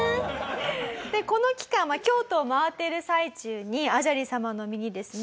でこの期間京都を回っている最中に阿闍梨さまの身にですね